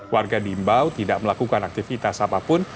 warga di mbau tidak melakukan aktivitas apapun